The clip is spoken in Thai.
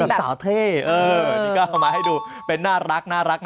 สาวเท่นี่ก็เอามาให้ดูเป็นน่ารักนะ